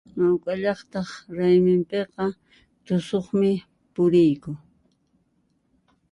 mauqa llaqtaq rayminpiqa tusuqmi puriyku